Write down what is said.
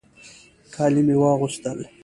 کالي مې واغوستل.